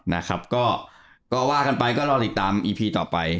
นะครับก็ก็ว่ากันไปก็รอติดตามอีพีต่อไป